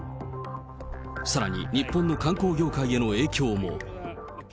さらに日本の観光業界への影響も。